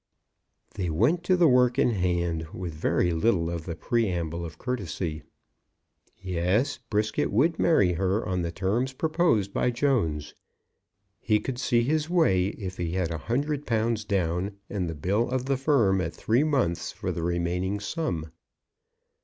They went to the work in hand, with very little of the preamble of courtesy. Yes; Brisket would marry her on the terms proposed by Jones. He could see his way if he had a hundred pounds down, and the bill of the Firm at three months for the remaining sum.